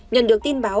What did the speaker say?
nhận được tin báo